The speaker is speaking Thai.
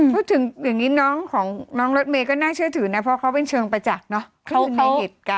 พูดถึงอย่างนี้น้องของน้องรถเมย์ก็น่าเชื่อถือนะเพราะเขาเป็นเชิงประจักษ์เนาะ